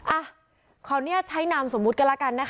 อะคราวนี้ใช้นามสมมุติก็แล้วกันนะคะ